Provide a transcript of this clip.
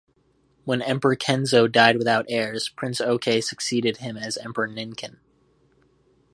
When Emperor Kenzo died without heirs, Prince Oke succeeded him as Emperor Ninken.